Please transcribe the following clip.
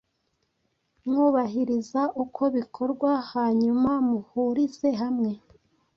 mwubahiriza uko bikorwa, hanyuma muhurize hamwe